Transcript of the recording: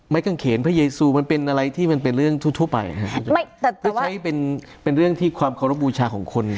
ไม้กางเขนพระเยซูมันเป็นอะไรที่มันเป็นเรื่องทั่วทั่วไปฮะไม่แต่แต่ว่าไม่ใช่เป็นเป็นเรื่องที่ความเคารพบูชาของคน